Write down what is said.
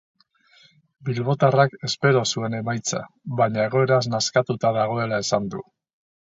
Bilbotarrak espero zuen emaitza, baina egoeraz nazkatuta dagoela esan du.